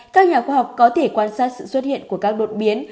các nhà khoa học có thể quan sát sự xuất hiện của các đột biến